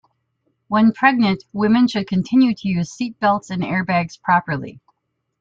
When pregnant, women should continue to use seatbelts and airbags properly.